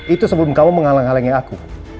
itu sebelum kamu menghalang halangi aku